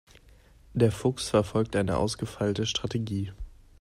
Der Fuchs verfolgt eine ausgefeilte Strategie.